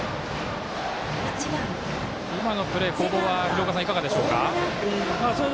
今のプレー廣岡さん、いかがでしょうか？